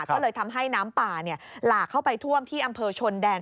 ก็เลยทำให้น้ำป่าหลากเข้าไปท่วมที่อำเภอชนแดน